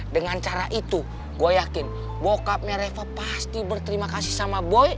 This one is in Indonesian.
dengan cara itu gue yakin bokapnya reva pasti berterima kasih sama boy